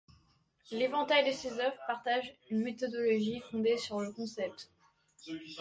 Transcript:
L'éventail de ses œuvres partagent une méthodologie fondée sur le concept.